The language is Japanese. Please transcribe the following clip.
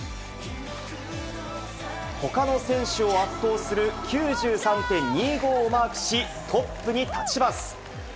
ほかの選手を圧倒する、９３．２５をマークし、トップに立ちます。